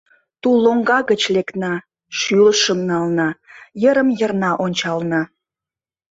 Тул лоҥга гыч лекна, шӱлышым нална, йырым-йырна ончална.